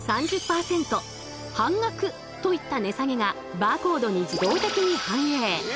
半額といった値下げがバーコードに自動的に反映。